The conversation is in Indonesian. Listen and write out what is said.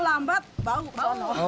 kalau lambat bau